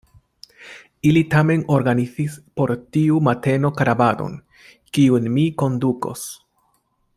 Ili tamen organizis por tiu mateno karavanon, kiun mi kondukos.